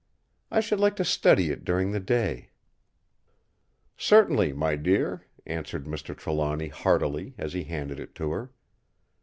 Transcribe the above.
I should like to study it during the day!" "Certainly, my dear!" answered Mr. Trelawny heartily, as he handed it to her.